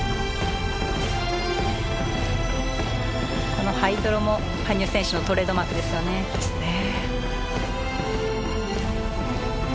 このハイドロも羽生選手のトレードマークですよね。ですね。